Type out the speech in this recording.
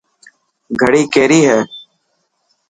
گھڙي ڪيري هي.